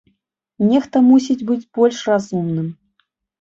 Нехта мусіць быць больш разумным.